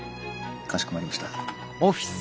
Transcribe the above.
かしこまりました。